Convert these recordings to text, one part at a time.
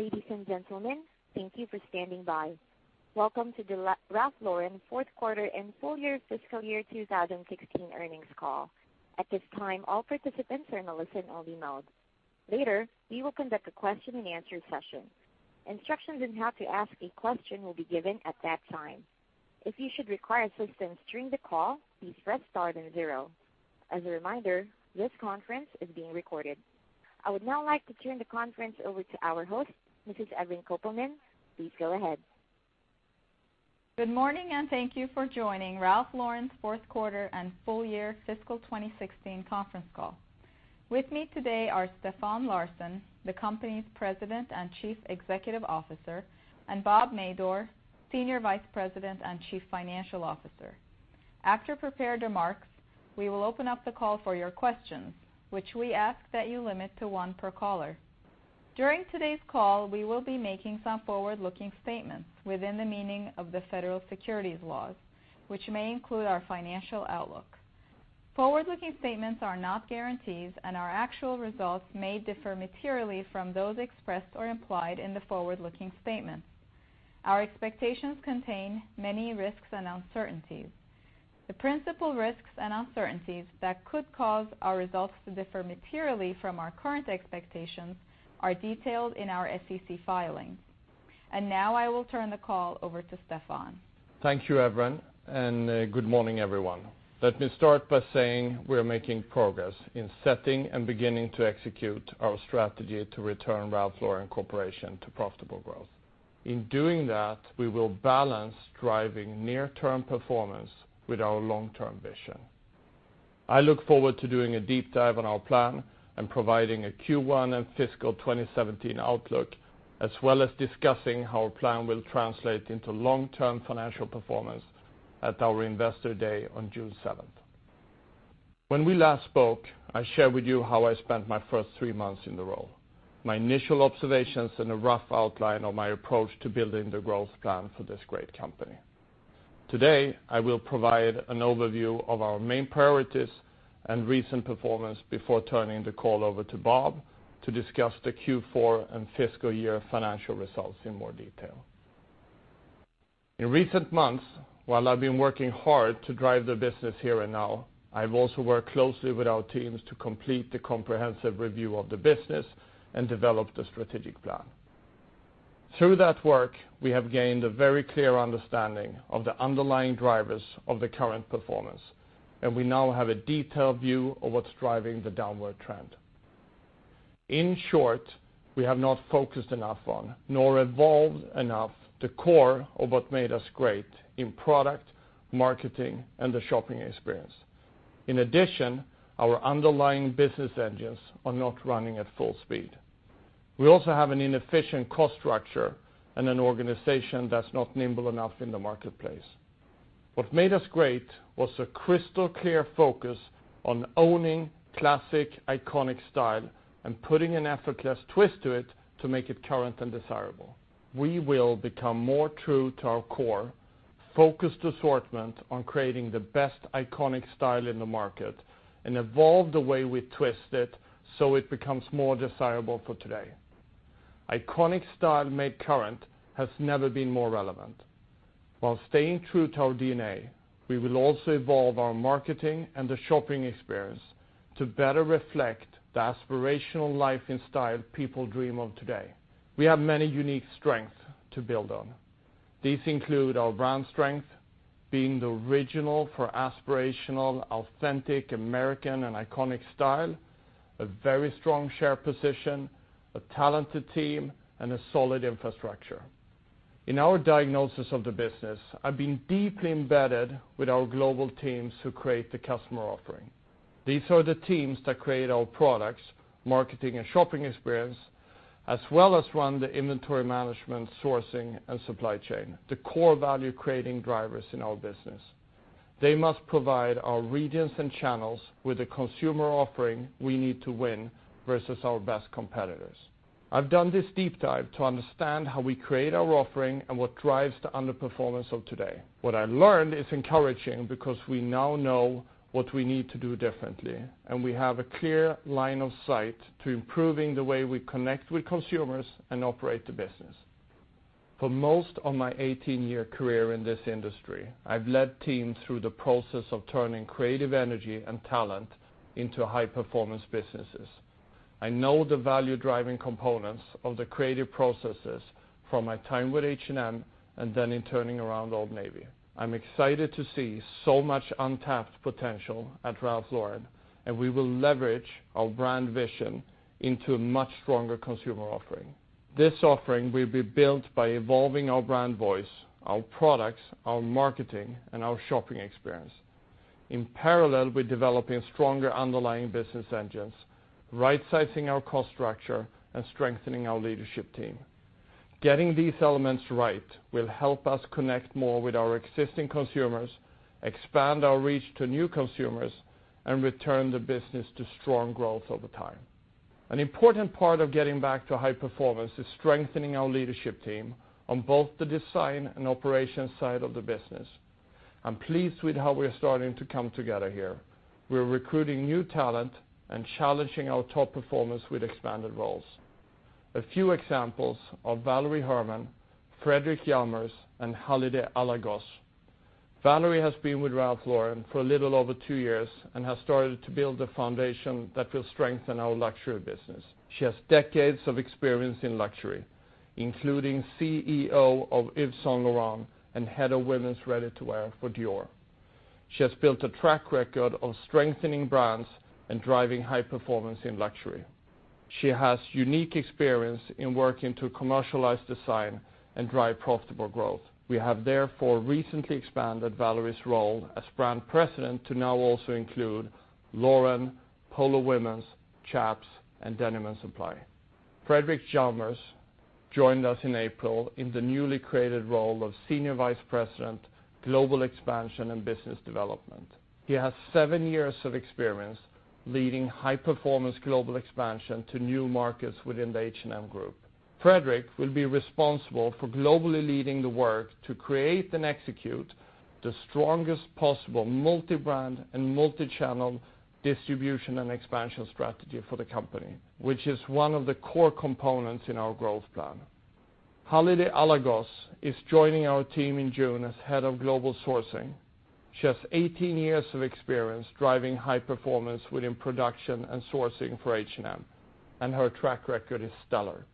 Ladies and gentlemen, thank you for standing by. Welcome to the Ralph Lauren fourth quarter and full year fiscal year 2016 earnings call. At this time, all participants are in a listen-only mode. Later, we will conduct a question and answer session. Instructions on how to ask a question will be given at that time. If you should require assistance during the call, please press star then zero. As a reminder, this conference is being recorded. I would now like to turn the conference over to our host, Mrs. Evren Kopelman. Please go ahead. Good morning, and thank you for joining Ralph Lauren's fourth quarter and full year fiscal 2016 conference call. With me today are Stefan Larsson, the company's President and Chief Executive Officer, and Bob Madore, Senior Vice President and Chief Financial Officer. After prepared remarks, we will open up the call for your questions, which we ask that you limit to one per caller. During today's call, we will be making some forward-looking statements within the meaning of the federal securities laws, which may include our financial outlook. Forward-looking statements are not guarantees, and our actual results may differ materially from those expressed or implied in the forward-looking statements. Our expectations contain many risks and uncertainties. The principal risks and uncertainties that could cause our results to differ materially from our current expectations are detailed in our SEC filings. Now I will turn the call over to Stefan. Thank you, Evren. Good morning, everyone. Let me start by saying we are making progress in setting and beginning to execute our strategy to return Ralph Lauren Corporation to profitable growth. In doing that, we will balance driving near-term performance with our long-term vision. I look forward to doing a deep dive on our plan and providing a Q1 and fiscal 2017 outlook, as well as discussing how our plan will translate into long-term financial performance at our Investor Day on June 7th. When we last spoke, I shared with you how I spent my first three months in the role, my initial observations, and a rough outline of my approach to building the growth plan for this great company. Today, I will provide an overview of our main priorities and recent performance before turning the call over to Bob to discuss the Q4 and fiscal year financial results in more detail. In recent months, while I've been working hard to drive the business here and now, I've also worked closely with our teams to complete the comprehensive review of the business and develop the strategic plan. Through that work, we have gained a very clear understanding of the underlying drivers of the current performance, and we now have a detailed view of what's driving the downward trend. In short, we have not focused enough on nor evolved enough the core of what made us great in product, marketing, and the shopping experience. In addition, our underlying business engines are not running at full speed. We also have an inefficient cost structure and an organization that's not nimble enough in the marketplace. What made us great was a crystal-clear focus on owning classic, iconic style and putting an effortless twist to it to make it current and desirable. We will become more true to our core, focused assortment on creating the best iconic style in the market, and evolve the way we twist it so it becomes more desirable for today. Iconic style made current has never been more relevant. While staying true to our DNA, we will also evolve our marketing and the shopping experience to better reflect the aspirational life and style people dream of today. We have many unique strengths to build on. These include our brand strength, being the original for aspirational, authentic, American, and iconic style, a very strong share position, a talented team, and a solid infrastructure. In our diagnosis of the business, I've been deeply embedded with our global teams who create the customer offering. These are the teams that create our products, marketing and shopping experience, as well as run the inventory management, sourcing, and supply chain, the core value-creating drivers in our business. They must provide our regions and channels with a consumer offering we need to win versus our best competitors. I've done this deep dive to understand how we create our offering and what drives the underperformance of today. What I learned is encouraging because we now know what we need to do differently, and we have a clear line of sight to improving the way we connect with consumers and operate the business. For most of my 18-year career in this industry, I've led teams through the process of turning creative energy and talent into high-performance businesses. I know the value-driving components of the creative processes from my time with H&M and then in turning around Old Navy. I'm excited to see so much untapped potential at Ralph Lauren, and we will leverage our brand vision into a much stronger consumer offering. This offering will be built by evolving our brand voice, our products, our marketing, and our shopping experience. In parallel with developing stronger underlying business engines, right-sizing our cost structure, and strengthening our leadership team. Getting these elements right will help us connect more with our existing consumers, expand our reach to new consumers, and return the business to strong growth over time. An important part of getting back to high performance is strengthening our leadership team on both the design and operations side of the business. I'm pleased with how we are starting to come together here. We are recruiting new talent and challenging our top performers with expanded roles. A few examples are Valérie Hermann, Fredrik Hjalmers, and Halide Alagöz. Valérie has been with Ralph Lauren for a little over two years and has started to build the foundation that will strengthen our luxury business. She has decades of experience in luxury, including CEO of Yves Saint Laurent and head of women's ready-to-wear for Dior. She has built a track record of strengthening brands and driving high performance in luxury. She has unique experience in working to commercialize design and drive profitable growth. We have therefore recently expanded Valérie's role as brand president to now also include Lauren, Polo women's, Chaps, and Denim & Supply. Fredrik Hjalmers joined us in April in the newly created role of senior vice president, global expansion and business development. He has seven years of experience leading high-performance global expansion to new markets within the H&M Group. Fredrik will be responsible for globally leading the work to create and execute the strongest possible multi-brand and multi-channel distribution and expansion strategy for the company, which is one of the core components in our growth plan. Halide Alagöz is joining our team in June as head of global sourcing. She has 18 years of experience driving high performance within production and sourcing for H&M, and her track record is stellar.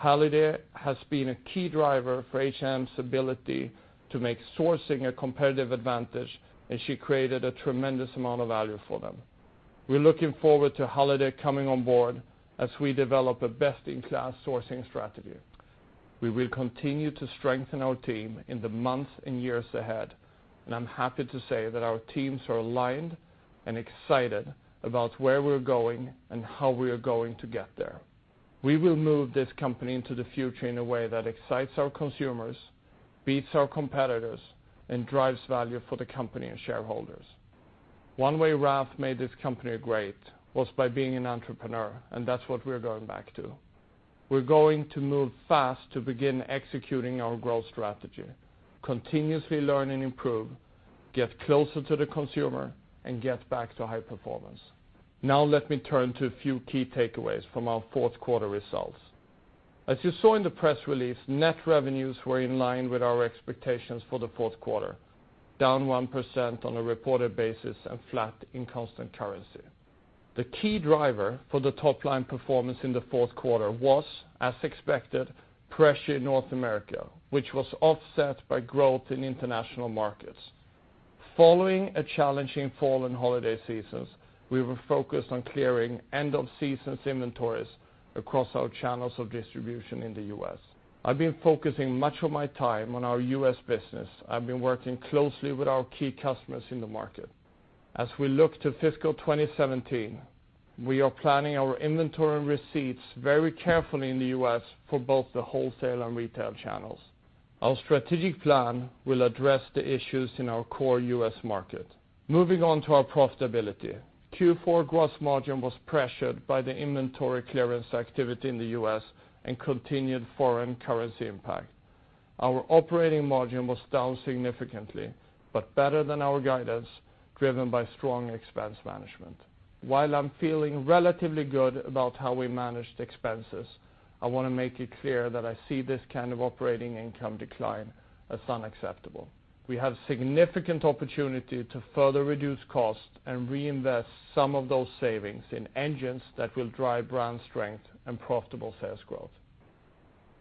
Halide has been a key driver for H&M's ability to make sourcing a competitive advantage, and she created a tremendous amount of value for them. We're looking forward to Halide coming on board as we develop a best-in-class sourcing strategy. We will continue to strengthen our team in the months and years ahead, and I'm happy to say that our teams are aligned and excited about where we're going and how we are going to get there. We will move this company into the future in a way that excites our consumers, beats our competitors, and drives value for the company and shareholders. One way Ralph made this company great was by being an entrepreneur, and that's what we're going back to. We're going to move fast to begin executing our growth strategy, continuously learn and improve, get closer to the consumer, and get back to high performance. Now let me turn to a few key takeaways from our fourth quarter results. As you saw in the press release, net revenues were in line with our expectations for the fourth quarter, down 1% on a reported basis and flat in constant currency. The key driver for the top-line performance in the fourth quarter was, as expected, pressure in North America, which was offset by growth in international markets. Following a challenging fall and holiday seasons, we were focused on clearing end-of-season inventories across our channels of distribution in the U.S. I've been focusing much of my time on our U.S. business. I've been working closely with our key customers in the market. As we look to fiscal 2017, we are planning our inventory and receipts very carefully in the U.S. for both the wholesale and retail channels. Our strategic plan will address the issues in our core U.S. market. Moving on to our profitability. Q4 gross margin was pressured by the inventory clearance activity in the U.S. and continued foreign currency impact. Our operating margin was down significantly, but better than our guidance, driven by strong expense management. While I'm feeling relatively good about how we managed expenses, I want to make it clear that I see this kind of operating income decline as unacceptable. We have significant opportunity to further reduce costs and reinvest some of those savings in engines that will drive brand strength and profitable sales growth.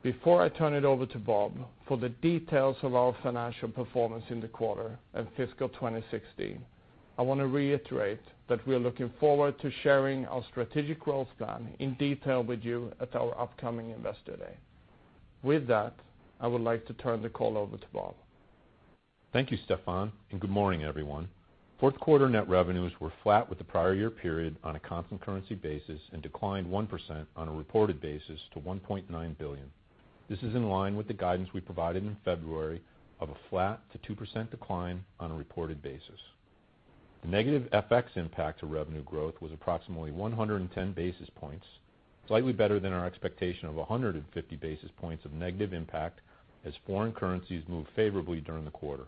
Before I turn it over to Bob for the details of our financial performance in the quarter and fiscal 2016, I want to reiterate that we're looking forward to sharing our strategic growth plan in detail with you at our upcoming investor day. With that, I would like to turn the call over to Bob. Thank you, Stefan, and good morning, everyone. Fourth quarter net revenues were flat with the prior year period on a constant currency basis and declined 1% on a reported basis to $1.9 billion. This is in line with the guidance we provided in February of a flat to 2% decline on a reported basis. The negative FX impact to revenue growth was approximately 110 basis points, slightly better than our expectation of 150 basis points of negative impact as foreign currencies moved favorably during the quarter.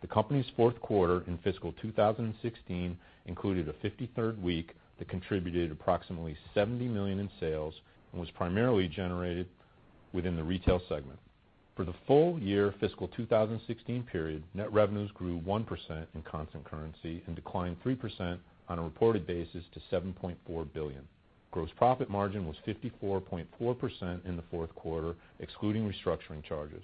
The company's fourth quarter in fiscal 2016 included a 53rd week that contributed approximately $70 million in sales and was primarily generated within the retail segment. For the full year fiscal 2016 period, net revenues grew 1% in constant currency and declined 3% on a reported basis to $7.4 billion. Gross profit margin was 54.4% in the fourth quarter, excluding restructuring charges.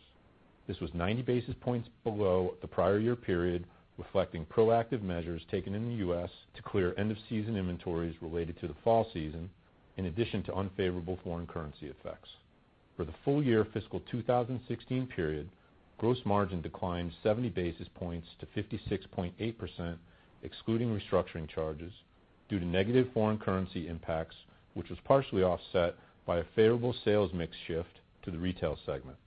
This was 90 basis points below the prior year period, reflecting proactive measures taken in the U.S. to clear end-of-season inventories related to the fall season, in addition to unfavorable foreign currency effects. For the full year fiscal 2016 period, gross margin declined 70 basis points to 56.8%, excluding restructuring charges, due to negative foreign currency impacts, which was partially offset by a favorable sales mix shift to the retail segment.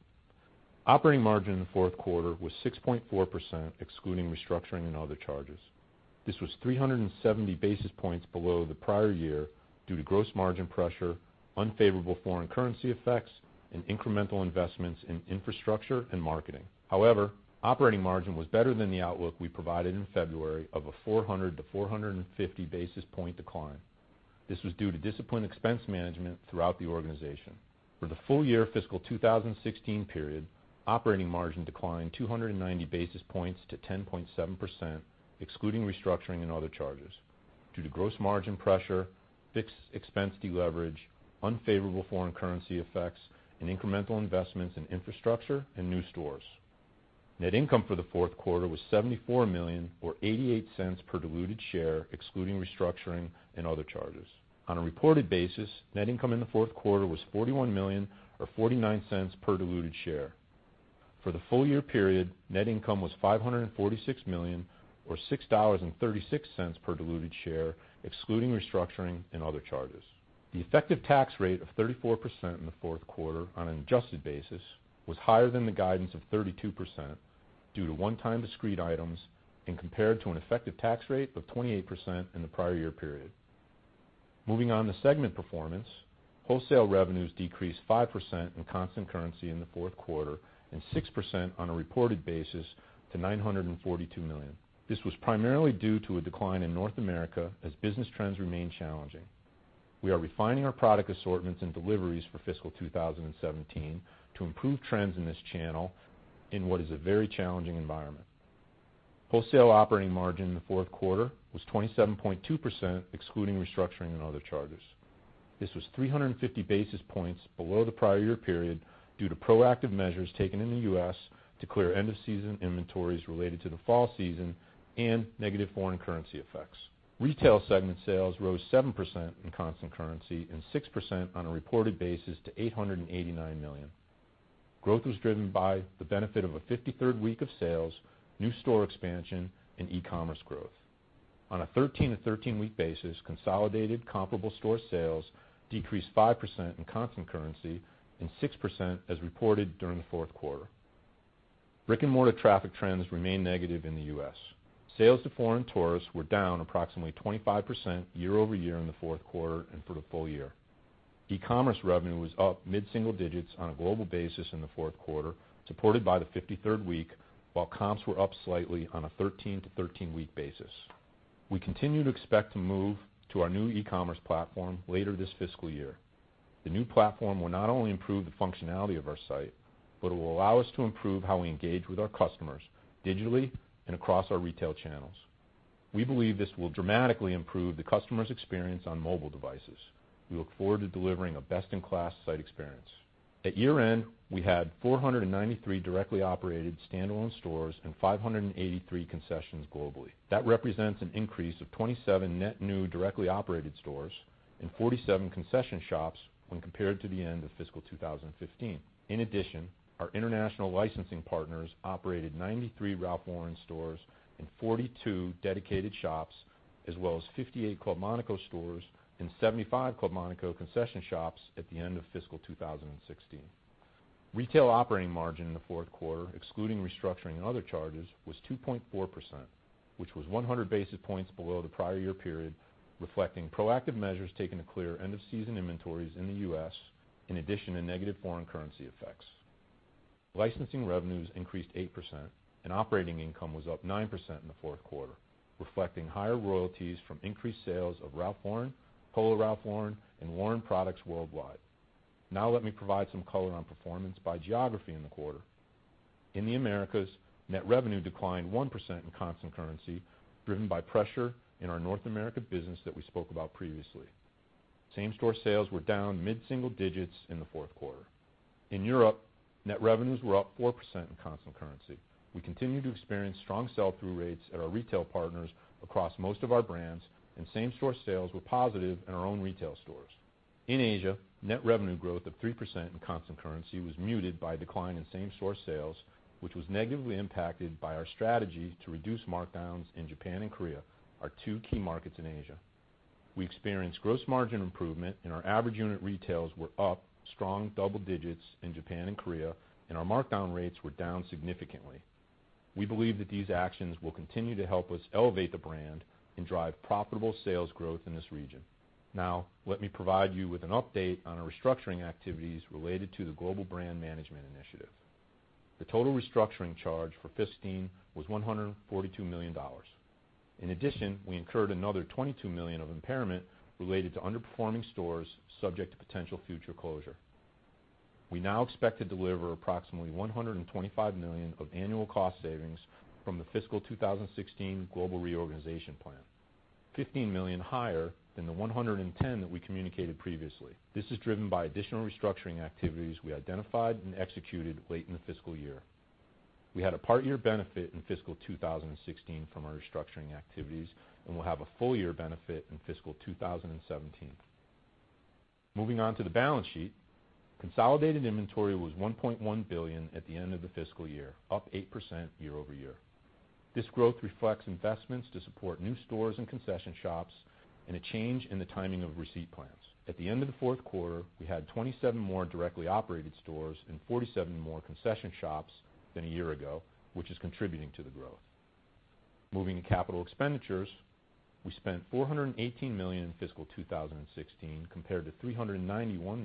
Operating margin in the fourth quarter was 6.4%, excluding restructuring and other charges. This was 370 basis points below the prior year due to gross margin pressure, unfavorable foreign currency effects, and incremental investments in infrastructure and marketing. Operating margin was better than the outlook we provided in February of a 400-450 basis point decline. This was due to disciplined expense management throughout the organization. For the full year fiscal 2016 period, operating margin declined 290 basis points to 10.7%, excluding restructuring and other charges, due to gross margin pressure, fixed expense de-leverage, unfavorable foreign currency effects, and incremental investments in infrastructure and new stores. Net income for the fourth quarter was $74 million, or $0.88 per diluted share, excluding restructuring and other charges. On a reported basis, net income in the fourth quarter was $41 million, or $0.49 per diluted share. For the full year period, net income was $546 million, or $6.36 per diluted share, excluding restructuring and other charges. The effective tax rate of 34% in the fourth quarter on an adjusted basis was higher than the guidance of 32% due to one-time discrete items and compared to an effective tax rate of 28% in the prior year period. Moving on to segment performance, wholesale revenues decreased 5% in constant currency in the fourth quarter and 6% on a reported basis to $942 million. This was primarily due to a decline in North America as business trends remain challenging. We are refining our product assortments and deliveries for fiscal 2017 to improve trends in this channel in what is a very challenging environment. Wholesale operating margin in the fourth quarter was 27.2%, excluding restructuring and other charges. This was 350 basis points below the prior year period due to proactive measures taken in the U.S. to clear end-of-season inventories related to the fall season and negative foreign currency effects. Retail segment sales rose 7% in constant currency and 6% on a reported basis to $889 million. Growth was driven by the benefit of a 53rd week of sales, new store expansion, and e-commerce growth. On a 13 to 13 week basis, consolidated comparable store sales decreased 5% in constant currency and 6% as reported during the fourth quarter. Brick-and-mortar traffic trends remain negative in the U.S. Sales to foreign tourists were down approximately 25% year-over-year in the fourth quarter and for the full year. E-commerce revenue was up mid-single digits on a global basis in the fourth quarter, supported by the 53rd week, while comps were up slightly on a 13 to 13 week basis. We continue to expect to move to our new e-commerce platform later this fiscal year. The new platform will not only improve the functionality of our site, it will allow us to improve how we engage with our customers digitally and across our retail channels. We believe this will dramatically improve the customer's experience on mobile devices. We look forward to delivering a best-in-class site experience. At year-end, we had 493 directly operated standalone stores and 583 concessions globally. That represents an increase of 27 net new directly operated stores and 47 concession shops when compared to the end of fiscal 2015. In addition, our international licensing partners operated 93 Ralph Lauren stores and 42 dedicated shops, as well as 58 Club Monaco stores and 75 Club Monaco concession shops at the end of fiscal 2016. Retail operating margin in the fourth quarter, excluding restructuring and other charges, was 2.4%, which was 100 basis points below the prior year period, reflecting proactive measures taken to clear end-of-season inventories in the U.S., in addition to negative foreign currency effects. Licensing revenues increased 8%. Operating income was up 9% in the fourth quarter, reflecting higher royalties from increased sales of Ralph Lauren, Polo Ralph Lauren and Lauren products worldwide. Let me provide some color on performance by geography in the quarter. In the Americas, net revenue declined 1% in constant currency, driven by pressure in our North America business that we spoke about previously. Same-store sales were down mid-single digits in the fourth quarter. In Europe, net revenues were up 4% in constant currency. We continue to experience strong sell-through rates at our retail partners across most of our brands. Same-store sales were positive in our own retail stores. In Asia, net revenue growth of 3% in constant currency was muted by a decline in same-store sales, which was negatively impacted by our strategy to reduce markdowns in Japan and Korea, our two key markets in Asia. We experienced gross margin improvement. Our average unit retails were up strong double digits in Japan and Korea. Our markdown rates were down significantly. We believe that these actions will continue to help us elevate the brand and drive profitable sales growth in this region. Let me provide you with an update on our restructuring activities related to the global brand management initiative. The total restructuring charge for fiscal 2015 was $142 million. In addition, we incurred another $22 million of impairment related to underperforming stores subject to potential future closure. We now expect to deliver approximately $125 million of annual cost savings from the fiscal 2016 global reorganization plan, $15 million higher than the $110 million that we communicated previously. This is driven by additional restructuring activities we identified and executed late in the fiscal year. We had a part-year benefit in fiscal 2016 from our restructuring activities. We'll have a full-year benefit in fiscal 2017. Moving on to the balance sheet. Consolidated inventory was $1.1 billion at the end of the fiscal year, up 8% year-over-year. This growth reflects investments to support new stores and concession shops and a change in the timing of receipt plans. At the end of the fourth quarter, we had 27 more directly operated stores and 47 more concession shops than a year ago, which is contributing to the growth. Moving to capital expenditures, we spent $418 million in fiscal 2016 compared to $391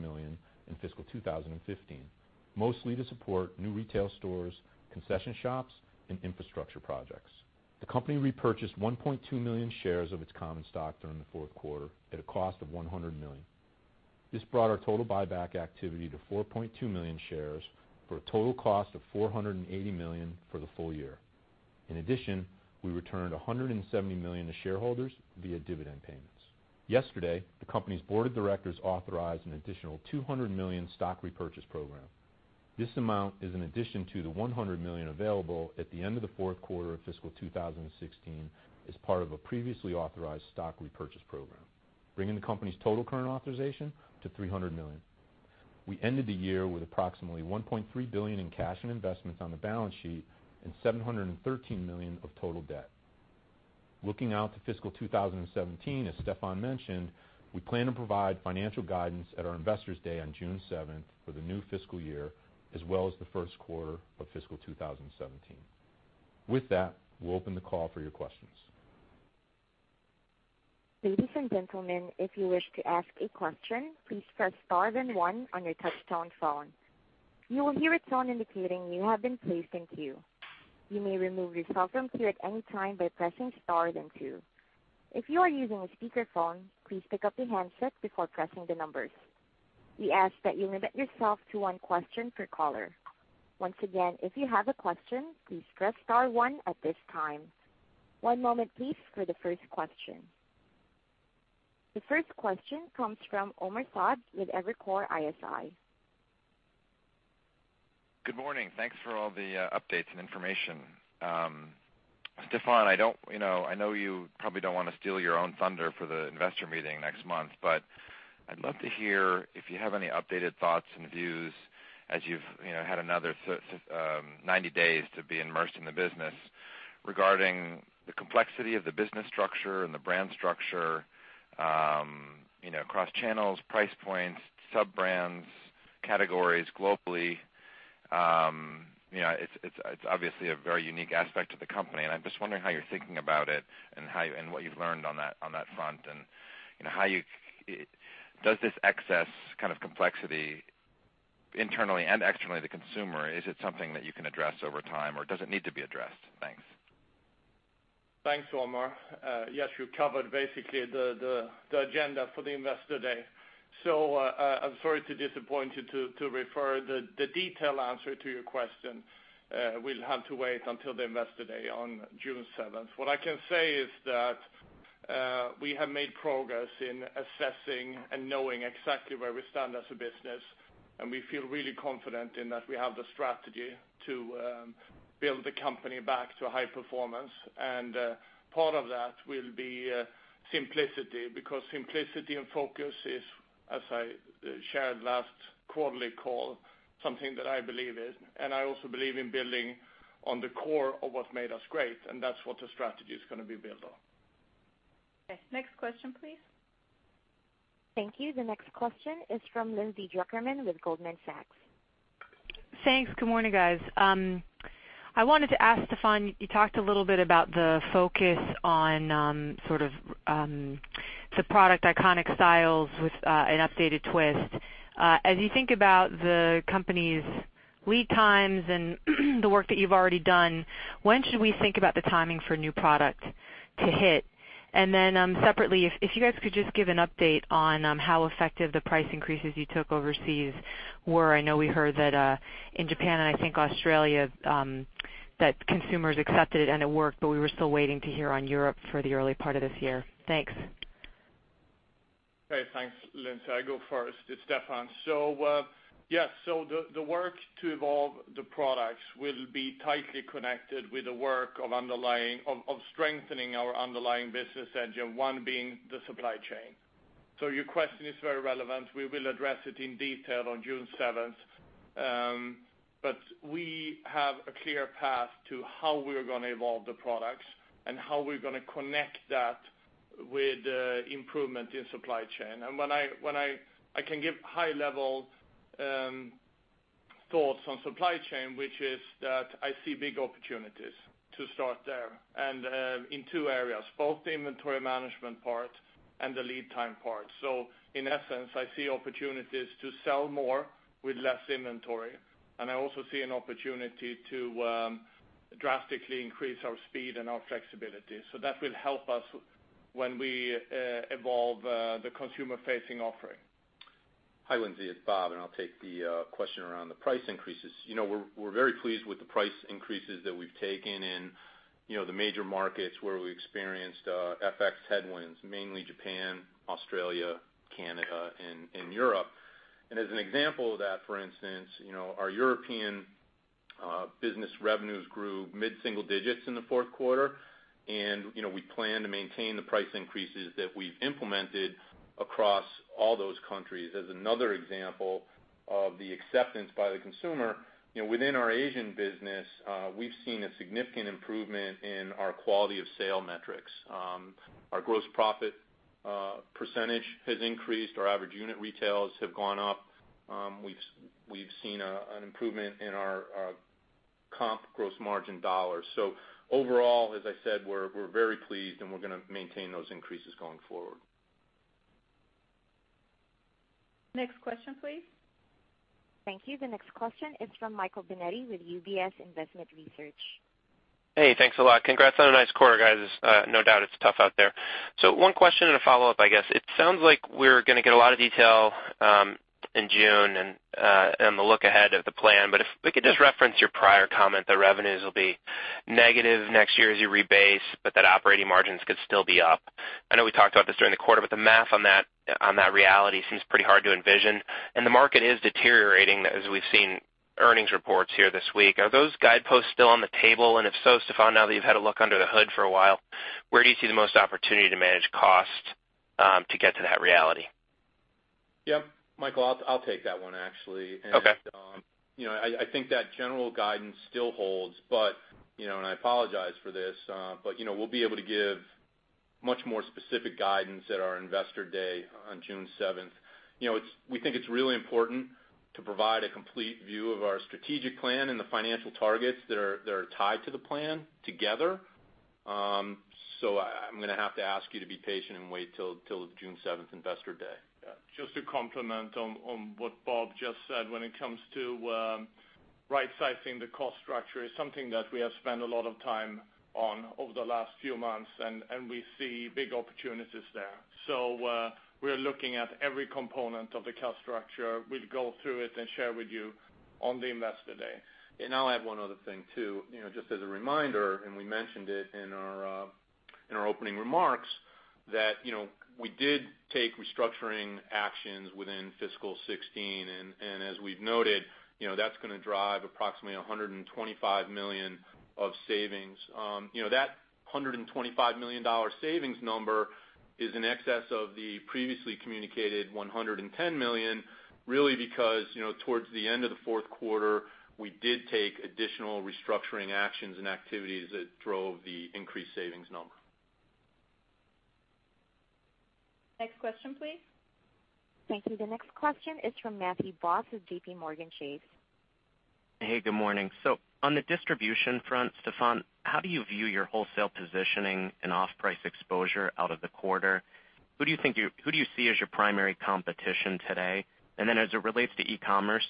million in fiscal 2015, mostly to support new retail stores, concession shops, and infrastructure projects. The company repurchased 1.2 million shares of its common stock during the fourth quarter at a cost of $100 million. This brought our total buyback activity to 4.2 million shares for a total cost of $480 million for the full year. In addition, we returned $170 million to shareholders via dividend payments. Yesterday, the company's board of directors authorized an additional $200 million stock repurchase program. This amount is an addition to the $100 million available at the end of the fourth quarter of fiscal 2016 as part of a previously authorized stock repurchase program, bringing the company's total current authorization to $300 million. We ended the year with approximately $1.3 billion in cash and investments on the balance sheet and $713 million of total debt. Looking out to fiscal 2017, as Stefan mentioned, we plan to provide financial guidance at our Investors Day on June 7th for the new fiscal year, as well as the first quarter of fiscal 2017. With that, we'll open the call for your questions. Ladies and gentlemen, if you wish to ask a question, please press star then one on your touchtone phone. You will hear a tone indicating you have been placed in queue. You may remove yourself from queue at any time by pressing star then two. If you are using a speakerphone, please pick up your handset before pressing the numbers. We ask that you limit yourself to one question per caller. Once again, if you have a question, please press star one at this time. One moment please for the first question. The first question comes from Omar Saad with Evercore ISI. Good morning. Thanks for all the updates and information. Stefan, I know you probably don't want to steal your own thunder for the investor meeting next month, but I'd love to hear if you have any updated thoughts and views as you've had another 90 days to be immersed in the business regarding the complexity of the business structure and the brand structure across channels, price points, sub-brands, categories globally. It's obviously a very unique aspect of the company, and I'm just wondering how you're thinking about it and what you've learned on that front. Does this excess kind of complexity internally and externally to consumer, is it something that you can address over time, or does it need to be addressed? Thanks. Thanks, Omar. Yes, you covered basically the agenda for the Investor Day. I'm sorry to disappoint you to refer the detailed answer to your question, will have to wait until the Investor Day on June 7th. What I can say is that we have made progress in assessing and knowing exactly where we stand as a business, and we feel really confident in that we have the strategy to build the company back to high performance. Part of that will be simplicity, because simplicity and focus is, as I shared last quarterly call, something that I believe in. I also believe in building on the core of what made us great, and that's what the strategy is going to be built on. Next question, please. Thank you. The next question is from Lindsay Drucker Mann with Goldman Sachs. Thanks. Good morning, guys. I wanted to ask Stefan, you talked a little bit about the focus on sort of the product iconic styles with an updated twist. As you think about the company's lead times and the work that you've already done, when should we think about the timing for new product to hit? Separately, if you guys could just give an update on how effective the price increases you took overseas were. I know we heard that in Japan and I think Australia, that consumers accepted it and it worked, but we were still waiting to hear on Europe for the early part of this year. Thanks. Okay. Thanks, Lindsay. I go first. It's Stefan. Yes, the work to evolve the products will be tightly connected with the work of strengthening our underlying business engine, one being the supply chain. Your question is very relevant. We will address it in detail on June 7th. We have a clear path to how we are going to evolve the products and how we're going to connect that with improvement in supply chain. I can give high-level thoughts on supply chain, which is that I see big opportunities to start there and in two areas, both the inventory management part and the lead time part. In essence, I see opportunities to sell more with less inventory, and I also see an opportunity to drastically increase our speed and our flexibility. That will help us when we evolve the consumer-facing offering. Hi, Lindsay. It's Bob, and I'll take the question around the price increases. We're very pleased with the price increases that we've taken in the major markets where we experienced FX headwinds, mainly Japan, Australia, Canada, and Europe. As an example of that, for instance, our European business revenues grew mid-single digits in the fourth quarter. We plan to maintain the price increases that we've implemented across all those countries. As another example of the acceptance by the consumer, within our Asian business, we've seen a significant improvement in our quality of sale metrics. Our gross profit % has increased. Our average unit retails have gone up. We've seen an improvement in our comp gross margin dollars. Overall, as I said, we're very pleased, and we're going to maintain those increases going forward. Next question, please. Thank you. The next question is from Michael Binetti with UBS Investment Research. Hey, thanks a lot. Congrats on a nice quarter, guys. No doubt it's tough out there. One question and a follow-up, I guess. It sounds like we're going to get a lot of detail in June and the look ahead of the plan, if we could just reference your prior comment that revenues will be negative next year as you rebase, that operating margins could still be up. I know we talked about this during the quarter, the math on that reality seems pretty hard to envision, the market is deteriorating as we've seen earnings reports here this week. Are those guideposts still on the table? If so, Stefan, now that you've had a look under the hood for a while, where do you see the most opportunity to manage cost to get to that reality? Yep. Michael, I'll take that one, actually. Okay. I think that general guidance still holds, I apologize for this, we'll be able to give much more specific guidance at our Investor Day on June 7th. We think it's really important to provide a complete view of our strategic plan and the financial targets that are tied to the plan together. I'm going to have to ask you to be patient and wait till the June 7th Investor Day. Yeah. Just to complement on what Bob just said, when it comes to right-sizing the cost structure, it's something that we have spent a lot of time on over the last few months, we see big opportunities there. We're looking at every component of the cost structure. We'll go through it and share with you on the Investor Day. I'll add one other thing, too. Just as a reminder, we mentioned it in our opening remarks, that we did take restructuring actions within fiscal 2016, and as we've noted, that's going to drive approximately $125 million of savings. That $125 million savings number is in excess of the previously communicated $110 million, really because towards the end of the fourth quarter, we did take additional restructuring actions and activities that drove the increased savings number. Next question, please. Thank you. The next question is from Matthew Boss of JPMorgan Chase. Hey, good morning. On the distribution front, Stefan, how do you view your wholesale positioning and off-price exposure out of the quarter? Who do you see as your primary competition today? As it relates to e-commerce,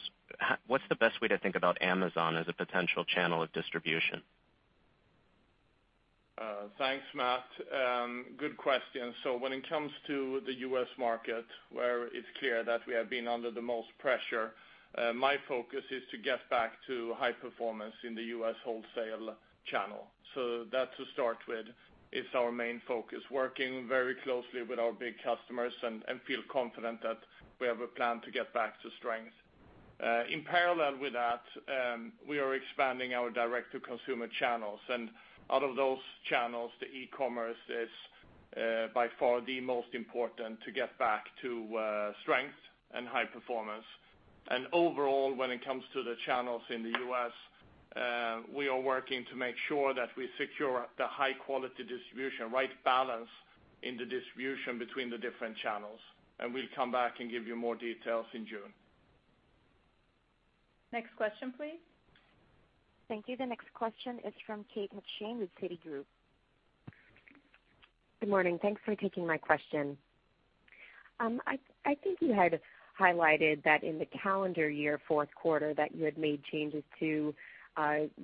what's the best way to think about Amazon as a potential channel of distribution? Thanks, Matt. Good question. When it comes to the U.S. market, where it's clear that we have been under the most pressure, my focus is to get back to high performance in the U.S. wholesale channel. That to start with, is our main focus, working very closely with our big customers and feel confident that we have a plan to get back to strength. In parallel with that, we are expanding our direct-to-consumer channels. Out of those channels, the e-commerce is by far the most important to get back to strength and high performance. Overall, when it comes to the channels in the U.S., we are working to make sure that we secure the high-quality distribution, right balance in the distribution between the different channels. We'll come back and give you more details in June. Next question, please. Thank you. The next question is from Kate McShane with Citigroup. Good morning. Thanks for taking my question. I think you had highlighted that in the calendar year fourth quarter, that you had made changes to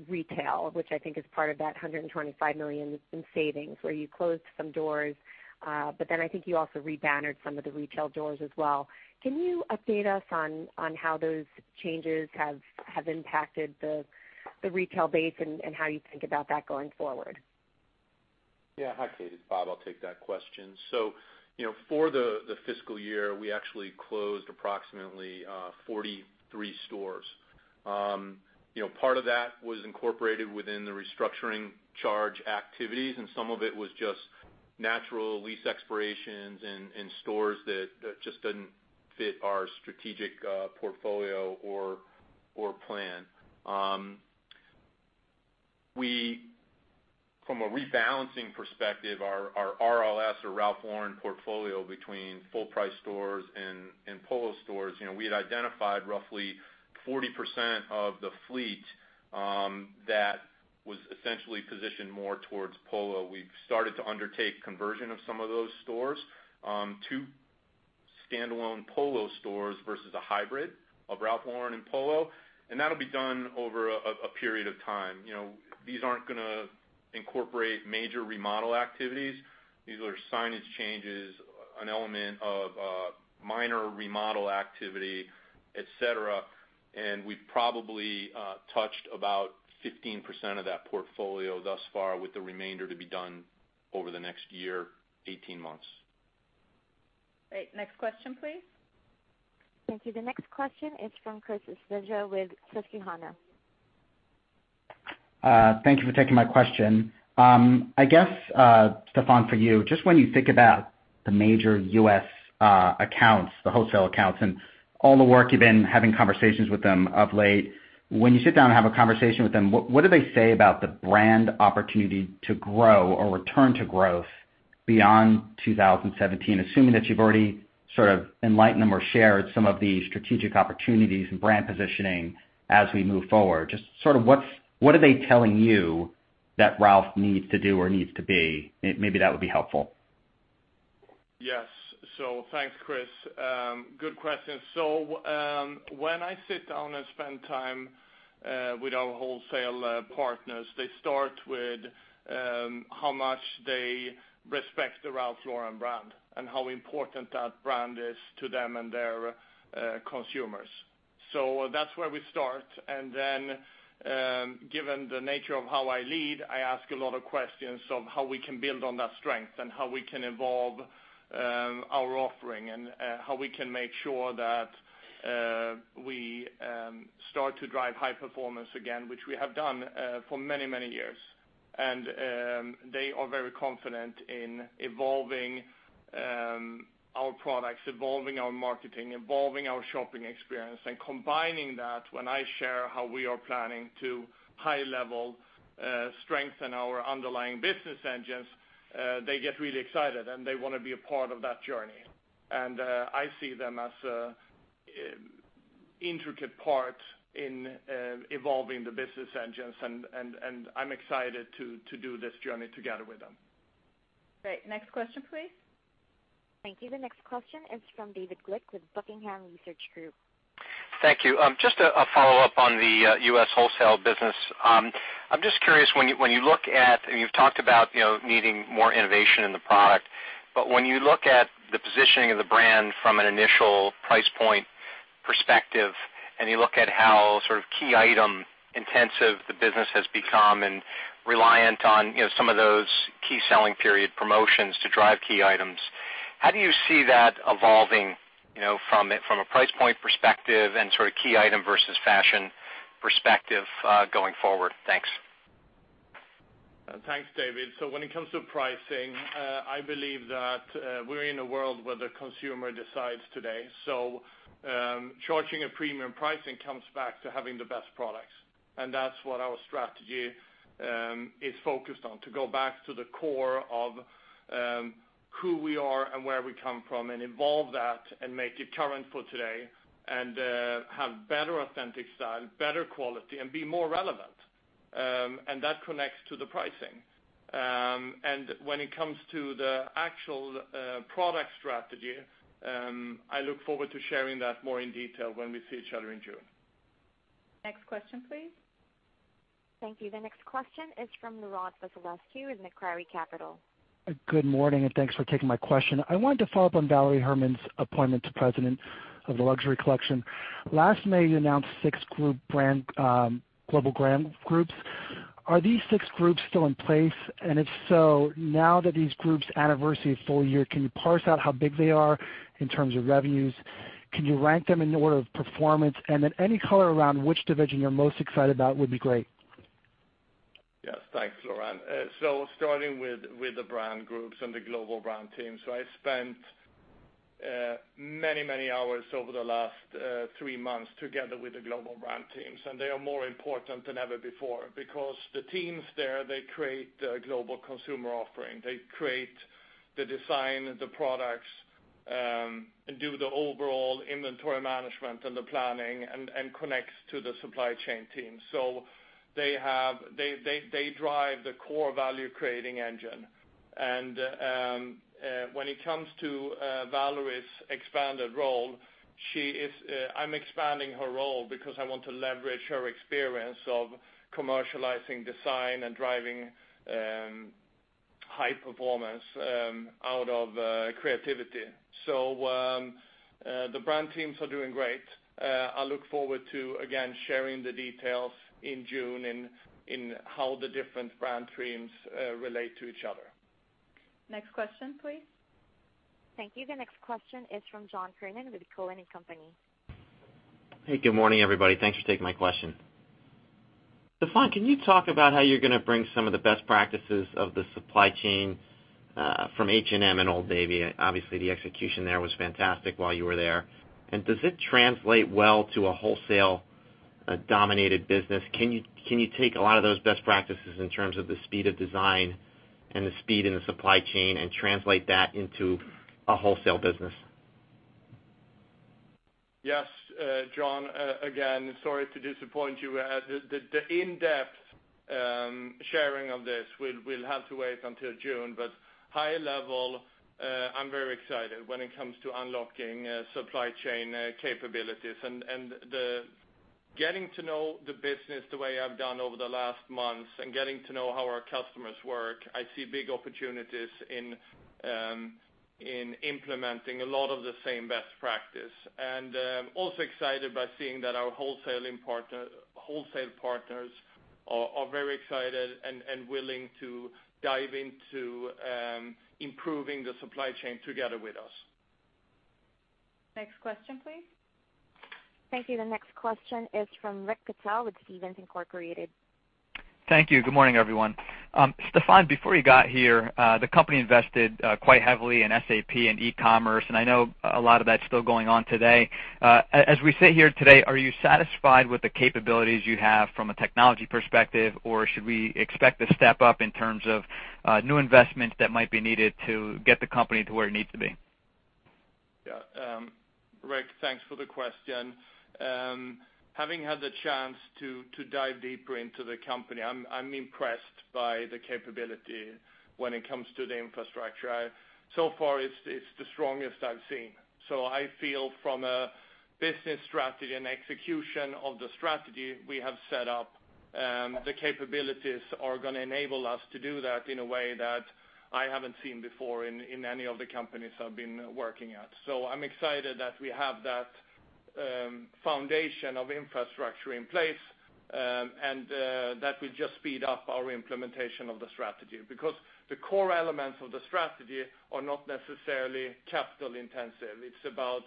retail, which I think is part of that $125 million in savings, where you closed some doors. I think you also re-bannered some of the retail doors as well. Can you update us on how those changes have impacted the retail base and how you think about that going forward? Hi, Kate. It's Bob. I'll take that question. For the fiscal year, we actually closed approximately 43 stores. Part of that was incorporated within the restructuring charge activities, and some of it was just natural lease expirations and stores that just didn't fit our strategic portfolio or plan. From a rebalancing perspective, our RLS or Ralph Lauren portfolio between full price stores and Polo stores, we had identified roughly 40% of the fleet that was essentially positioned more towards Polo. We've started to undertake conversion of some of those stores to standalone Polo stores versus a hybrid of Ralph Lauren and Polo, and that'll be done over a period of time. These aren't going to incorporate major remodel activities. These are signage changes, an element of minor remodel activity, et cetera. We've probably touched about 15% of that portfolio thus far, with the remainder to be done over the next year, 18 months. Great. Next question, please. Thank you. The next question is from Chris Deluzio with Susquehanna. Thank you for taking my question. I guess, Stefan, for you, just when you think about the major U.S. accounts, the wholesale accounts, and all the work you've been having conversations with them of late. When you sit down and have a conversation with them, what do they say about the brand opportunity to grow or return to growth Beyond 2017, assuming that you've already sort of enlightened them or shared some of the strategic opportunities and brand positioning as we move forward, just sort of what are they telling you that Ralph needs to do or needs to be? Maybe that would be helpful. Yes. Thanks, Chris. Good question. When I sit down and spend time with our wholesale partners, they start with how much they respect the Ralph Lauren brand and how important that brand is to them and their consumers. That's where we start, then, given the nature of how I lead, I ask a lot of questions of how we can build on that strength and how we can evolve our offering and how we can make sure that we start to drive high performance again, which we have done for many years. They are very confident in evolving our products, evolving our marketing, evolving our shopping experience, and combining that when I share how we are planning to high level strengthen our underlying business engines, they get really excited, and they want to be a part of that journey. I see them as an intricate part in evolving the business engines, and I'm excited to do this journey together with them. Great. Next question, please. Thank you. The next question is from David Glick with Buckingham Research Group. Thank you. Just a follow-up on the U.S. wholesale business. I'm just curious, you've talked about needing more innovation in the product, when you look at the positioning of the brand from an initial price point perspective, and you look at how sort of key item intensive the business has become and reliant on some of those key selling period promotions to drive key items, how do you see that evolving from a price point perspective and sort of key item versus fashion perspective going forward? Thanks. Thanks, David. When it comes to pricing, I believe that we're in a world where the consumer decides today. Charging a premium pricing comes back to having the best products. That's what our strategy is focused on, to go back to the core of who we are and where we come from and evolve that and make it current for today and have better authentic style, better quality, and be more relevant. That connects to the pricing. When it comes to the actual product strategy, I look forward to sharing that more in detail when we see each other in June. Next question, please. Thank you. The next question is from Laurent Vasilescu with Macquarie Capital. Good morning. Thanks for taking my question. I wanted to follow up on Valérie Hermann's appointment to president of the luxury collection. Last May, you announced six global brand groups. Are these six groups still in place? If so, now that these groups anniversary a full year, can you parse out how big they are in terms of revenues? Can you rank them in order of performance? Then any color around which division you're most excited about would be great. Yes. Thanks, Laurent. Starting with the brand groups and the global brand teams. I spent many hours over the last three months together with the global brand teams, and they are more important than ever before because the teams there, they create the global consumer offering. They create the design, the products, and do the overall inventory management and the planning and connect to the supply chain team. They drive the core value-creating engine. When it comes to Valérie's expanded role, I'm expanding her role because I want to leverage her experience of commercializing design and driving high performance out of creativity. The brand teams are doing great. I look forward to, again, sharing the details in June in how the different brand teams relate to each other. Next question, please. Thank you. The next question is from John Kernan with Cowen and Company. Hey, good morning, everybody. Thanks for taking my question. Stefan, can you talk about how you're going to bring some of the best practices of the supply chain from H&M and Old Navy? Obviously, the execution there was fantastic while you were there. Does it translate well to a wholesale-dominated business? Can you take a lot of those best practices in terms of the speed of design and the speed in the supply chain and translate that into a wholesale business? Yes, John. Again, sorry to disappoint you. The in-depth sharing of this will have to wait until June, but high level, I'm very excited when it comes to unlocking supply chain capabilities and the getting to know the business the way I've done over the last months and getting to know how our customers work. I see big opportunities in implementing a lot of the same best practice. I'm also excited by seeing that our wholesale partners are very excited and willing to dive into improving the supply chain together with us. Next question, please. Thank you. The next question is from Rick Patel with Stephens Inc.. Thank you. Good morning, everyone. Stefan, before you got here, the company invested quite heavily in SAP and e-commerce, and I know a lot of that's still going on today. As we sit here today, are you satisfied with the capabilities you have from a technology perspective, or should we expect a step up in terms of new investments that might be needed to get the company to where it needs to be? Yeah. Rick, thanks for the question. Having had the chance to dive deeper into the company, I'm impressed by the capability when it comes to the infrastructure. So far, it's the strongest I've seen. I feel from a business strategy and execution of the strategy we have set up, the capabilities are going to enable us to do that in a way that I haven't seen before in any of the companies I've been working at. I'm excited that we have that foundation of infrastructure in place, and that will just speed up our implementation of the strategy, because the core elements of the strategy are not necessarily capital-intensive. It's about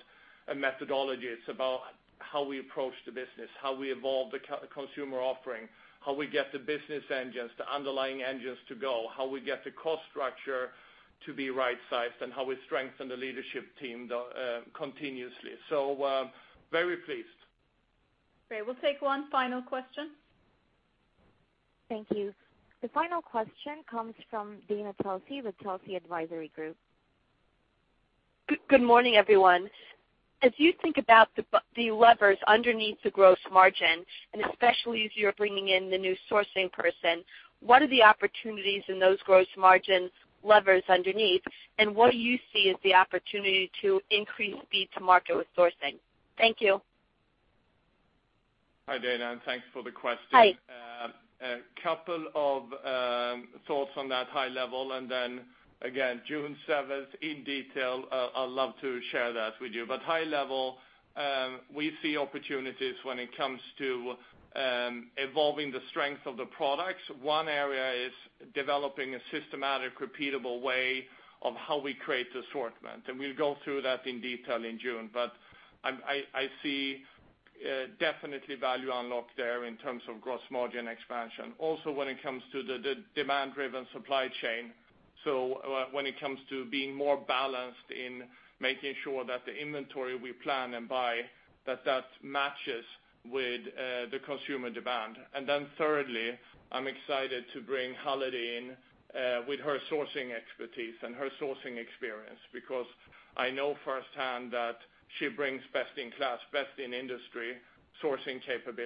a methodology. It's about how we approach the business, how we evolve the consumer offering, how we get the business engines, the underlying engines to go, how we get the cost structure to be right-sized, and how we strengthen the leadership team continuously. Very pleased. Great. We'll take one final question. Thank you. The final question comes from Dana Telsey with Telsey Advisory Group. Good morning, everyone. As you think about the levers underneath the gross margin, especially as you're bringing in the new sourcing person, what are the opportunities in those gross margin levers underneath, and what do you see as the opportunity to increase speed to market with sourcing? Thank you. Hi, Dana. Thanks for the question. Hi. A couple of thoughts on that high level, and then again, June 7th in detail, I'd love to share that with you. High level, we see opportunities when it comes to evolving the strength of the products. One area is developing a systematic, repeatable way of how we create the assortment, and we'll go through that in detail in June. I see definitely value unlock there in terms of gross margin expansion. Also, when it comes to the demand-driven supply chain. When it comes to being more balanced in making sure that the inventory we plan and buy, that matches with the consumer demand. Thirdly, I'm excited to bring Halide in with her sourcing expertise and her sourcing experience, because I know firsthand that she brings best in class, best in industry sourcing capability.